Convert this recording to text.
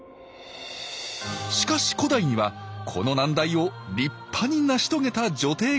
しかし古代にはこの難題を立派に成し遂げた女帝がいました。